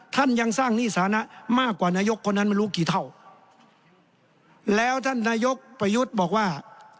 ท่านยังสร้างหนี้สานะมากกว่านายกคนนั้นไม่รู้กี่เท่าแล้วท่านนายกประยุทธ์บอกว่า